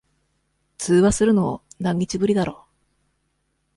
通話するの、何日ぶりだろ。